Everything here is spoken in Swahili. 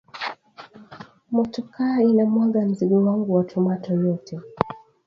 Motoka ina mwanga mzigo wangu wa tomate yote